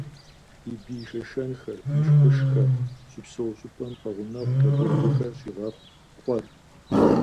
И бий шэшэнхэр, мышкъышхэр щыпсэу щӏыпӏэм пэгъунэгъут абы выхэр щигъэхъу къуэр.